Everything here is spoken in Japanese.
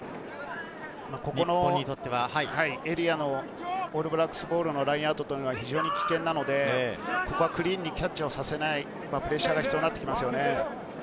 このエリアのオールブラックスボールのラインアウトは危険なので、クリーンにキャッチをさせないプレッシャーが必要になってきます。